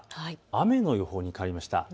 雨の予報に変わりました。